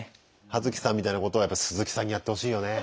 ハヅキさんみたいなことをすずきさんにやってほしいよね。